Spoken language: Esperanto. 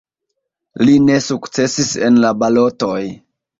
Li ne sukcesis en la balotoj.